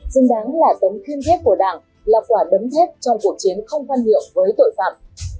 dân đáng là tấm kiên thiết của đảng là quả đấm thép trong cuộc chiến không phân hiệu với tội phạm